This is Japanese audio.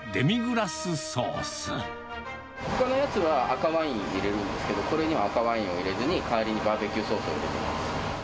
ほかのやつは、赤ワイン入れるんですけど、これには赤ワインを入れずに、代わりにバーベキューソースを入れます。